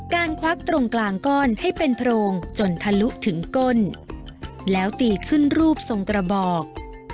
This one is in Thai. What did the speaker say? ควักตรงกลางก้อนให้เป็นโพรงจนทะลุถึงก้นแล้วตีขึ้นรูปทรงกระบอก